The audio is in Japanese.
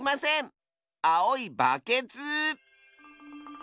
あおいバケツ！